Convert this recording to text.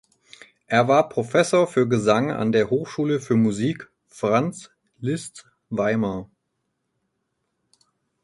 Er war Professor für Gesang an der Hochschule für Musik Franz Liszt Weimar.